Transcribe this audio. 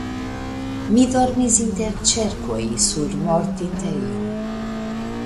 Mi dormis inter ĉerkoj sur mortintejo.